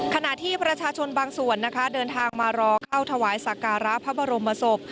ขณะที่ประชาชนบางส่วนนะคะเดินทางมารอเข้าถวายสักการะพระบรมศพ